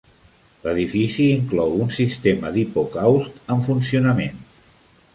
L'edifici inclou un sistema d'hipocaust en funcionament.